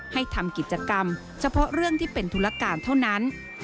ให้ทำกิจกรรมเฉพาะเรื่องที่เป็นธุรการเท่านั้น